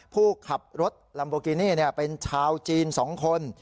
ผู้ขับรถลัมโบกินี่เป็นชาวจีน๒คน